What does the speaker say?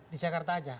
di jakarta saja